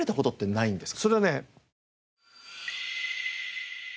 それはね。